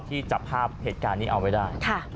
จับภาพเหตุการณ์นี้เอาไว้ได้